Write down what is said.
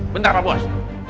bentar pak bos